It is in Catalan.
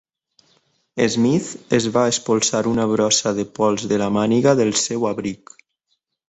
Smith es va espolsar una brossa de pols de la màniga del seu abric.